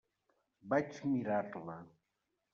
Vaig mirar-la.